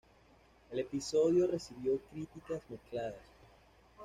El episodio recibió críticas mezcladas.